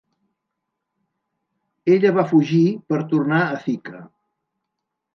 Ella va fugir per tornar a Thika.